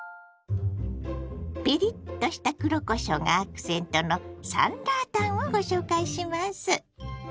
ピリッとした黒こしょうがアクセントの酸辣湯をご紹介します。